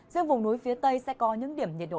riêng vùng núi phía tây sẽ có những điểm nhiệt độ